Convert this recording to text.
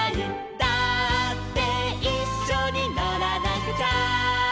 「だっていっしょにのらなくちゃ」